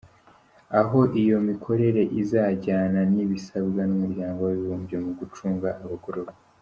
Aho iyo mikorere izajyana n’ibisabwa n’Umuryango w’abibumbye mu gucunga abagororwa.